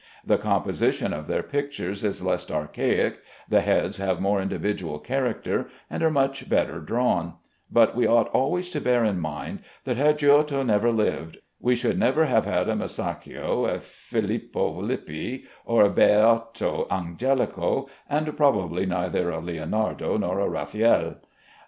The composition of their pictures is less archaic, the heads have more individual character and are much better drawn; but we ought always to bear in mind, that had Giotto never lived, we should never have had a Masaccio, a Filippo Lippi, or a Beato Angelico, and probably neither a Leonardo nor a Raffaelle.